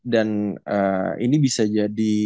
dan ini bisa jadi